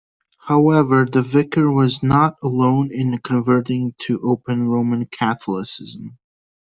However, the Vicar was not alone in converting to open Roman Catholicism.